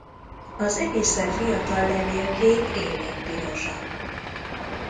Az egészen fiatal levélkék élénkpirosak.